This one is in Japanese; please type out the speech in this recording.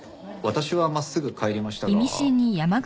私は真っすぐ帰りましたが。